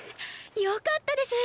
よかったです！